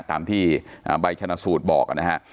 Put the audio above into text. ตามที่ใบชนะสูตรบอกนะฮะ